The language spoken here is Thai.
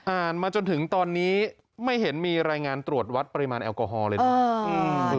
มาจนถึงตอนนี้ไม่เห็นมีรายงานตรวจวัดปริมาณแอลกอฮอลเลยนะ